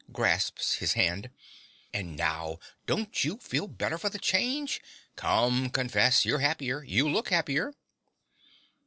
(Grasps his hand.) And now, don't you feel the better for the change? Come, confess, you're happier. You look happier.